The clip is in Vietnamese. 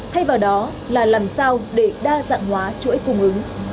thay vào đó là làm sao để đa dạng hóa chuỗi cung ứng